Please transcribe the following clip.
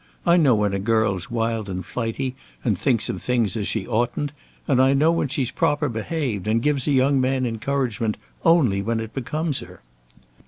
I know when a girl's wild and flighty, and thinks of things as she oughtn't; and I know when she's proper behaved, and gives a young man encouragement only when it becomes her."